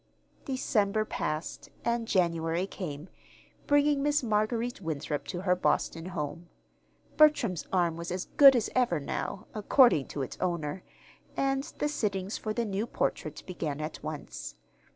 December passed, and January came, bringing Miss Marguerite Winthrop to her Boston home. Bertram's arm was "as good as ever" now, according to its owner; and the sittings for the new portrait began at once.